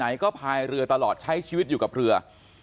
ไหนก็พายเรือตลอดใช้ชีวิตอยู่กับเรือ